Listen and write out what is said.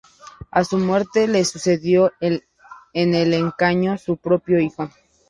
A su muerte le sucedió en el escaño su propio hijo.